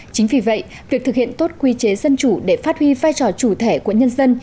chính vì vậy việc thực hiện tốt quy chế dân chủ để phát huy vai trò chủ thể của nhân dân